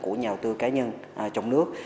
của nhà đầu tư cá nhân trong nước